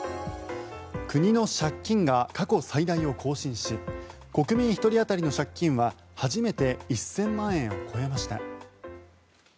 国の借金が過去最大を更新し国民１人当たりの借金は初めて１０００万円を超えました。